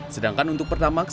sedangkan untuk pertamax